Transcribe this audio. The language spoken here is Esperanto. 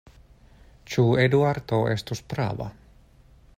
Ĉu Eduardo estus prava?